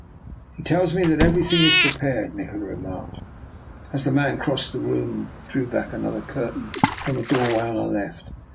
" He tells me that everything is prepared," Nikola remarked, as the man crossed the room and drew back another curtain from a doorway on our left.